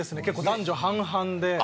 結構男女半々で。